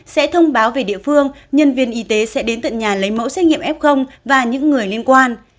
sẽ thông báo về địa phương nhân viên y tế sẽ đến tận nhà lấy mẫu xét nghiệm f và những người liên quan